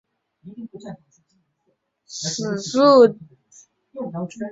此故事促成释证严日后创办慈济功德会与慈济医院的动机。